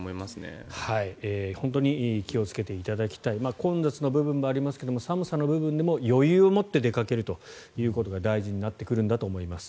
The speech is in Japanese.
本当に気をつけていただきたい混雑の部分もありますが寒さの部分でも余裕を持って出かけるということが大事になってくるんだと思います。